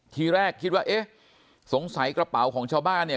ทีแรกคิดว่าเอ๊ะสงสัยกระเป๋าของชาวบ้านเนี่ย